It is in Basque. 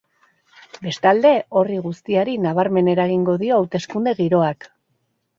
Bestalde, horri guztiari nabarmen eragingo dio hauteskunde giroak.